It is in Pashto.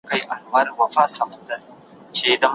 محصل د نوې سرچینې ارزونه کوي.